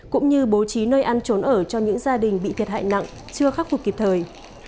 cũng như bố trí nơi ăn trốn ở cho những gia đình bị thiệt hại nặng chưa khắc phục kịp thời